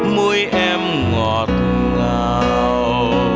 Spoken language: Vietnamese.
môi em ngọt ngào